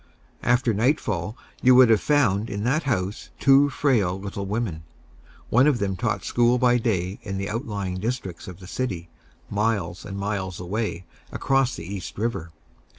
After nightfall you would have found in that house two frail little women. One of them taught school by day in the outlying districts of the city, miles and miles away, across the East River.